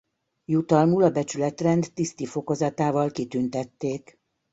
Jutalmul a Becsületrend tiszti fokozatával kitüntették.